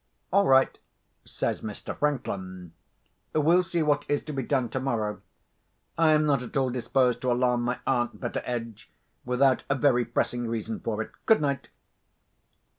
"All right," says Mr. Franklin. "We'll see what is to be done tomorrow. I am not at all disposed to alarm my aunt, Betteredge, without a very pressing reason for it. Good night."